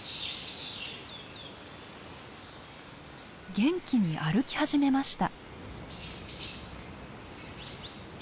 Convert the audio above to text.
元気に歩き始めました。